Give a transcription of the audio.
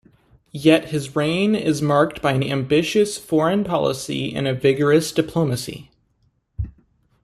Yet his reign is marked by an ambitious foreign policy and a vigorous diplomacy.